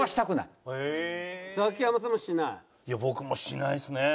いや僕もしないですね。